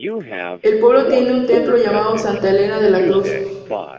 El pueblo tiene un templo llamado Santa Helena de La Cruz.